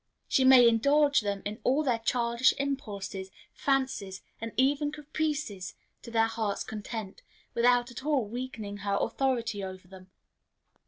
She may indulge them in all their childish impulses, fancies, and even caprices, to their heart's content, without at all weakening her authority over them.